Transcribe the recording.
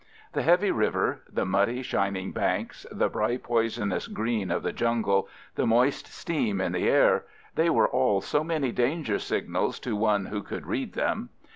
The heavy river, the muddy, shining banks, the bright poisonous green of the jungle, the moist steam in the air, they were all so many danger signals to one who could read them.